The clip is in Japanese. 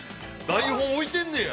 台本、置いてんねや。